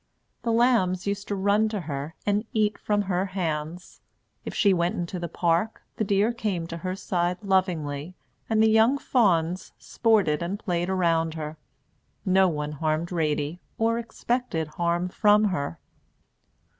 The lambs used to run to her, and eat from her hands. If she went into the park, the deer came to her side lovingly, and the young fawns sported and played around her. No one harmed Ratie or expected harm from her.